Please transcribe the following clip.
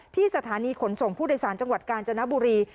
ที่สถานีขนส่งผู้โดยสารจังหวัดกาญจนบุรี